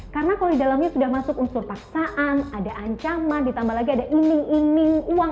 karena kalau di dalamnya sudah masuk unsur paksaan ada ancaman ditambah lagi ada iming iming uang